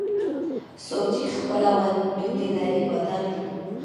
څوک چې خپله ډوډۍ لري، بادار دی.